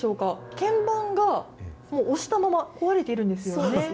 鍵盤が、もう押したまま、壊れているんですよね。